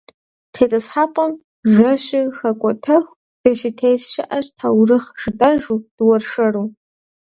ТетӀысхьэпӀэм жэщыр хэкӀуэтэху дыщытес щыӀэщ таурыхъ жытӏэжу, дыуэршэру.